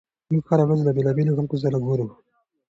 موږ هره ورځ له بېلابېلو خلکو سره ګورو.